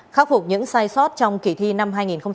khắc phục những sai sót trong kỳ thi năm hai nghìn một mươi chín